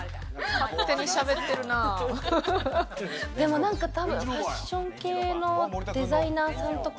なんかファッション系のデザイナーさんとか？